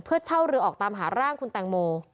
เพื่อเช่าเรือออกตามหาร่างคุณแตงโม